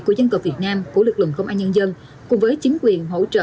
của dân tộc việt nam của lực lượng công an nhân dân cùng với chính quyền hỗ trợ